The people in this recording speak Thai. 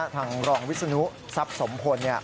ทางรองวิสุนุศัพท์สมพล